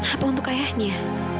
apa untuk ayahnya